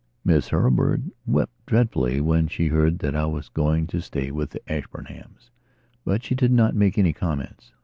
Miss Hurlbird wept dreadfully when she heard that I was going to stay with the Ashburnhams, but she did not make any comments.